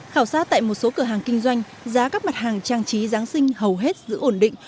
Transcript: khảo sát tại một số cửa hàng kinh doanh giá các mặt hàng trang trí giáng sinh hầu hết giữ ổn định